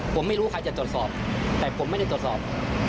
ผมไม่รู้ใครจะตรวจสอบแต่ผมไม่ได้ตรวจสอบ